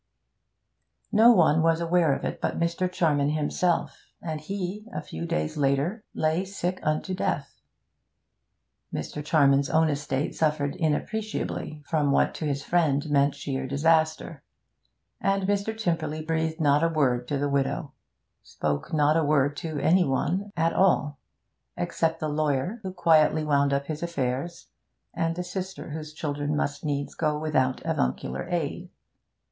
No one was aware of it but Mr. Charman himself and he, a few days later, lay sick unto death. Mr. Charman's own estate suffered inappreciably from what to his friend meant sheer disaster. And Mr. Tymperley breathed not a word to the widow; spoke not a word to any one at all, except the lawyer, who quietly wound up his affairs, and the sister whose children must needs go without avuncular aid.